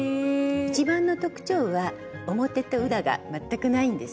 一番の特徴は表と裏が全くないんですね。